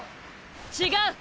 違う！